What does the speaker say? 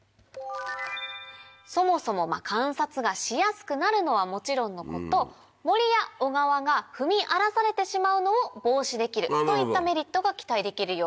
そもそも観察がしやすくなるのはもちろんのこと森や小川が踏み荒らされてしまうのを防止できるといったメリットが期待できるようです。